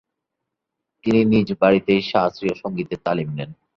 তিনি নিজ বাড়িতেই শাস্ত্রীয় সঙ্গীতের তালিম নেন।